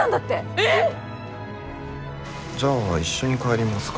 えっ！じゃあ一緒に帰りますか。